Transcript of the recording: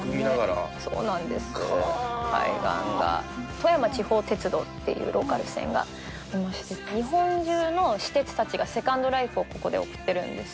富山地方鉄道っていうローカル線がありまして日本中の私鉄たちがセカンドライフをここで送ってるんですよ。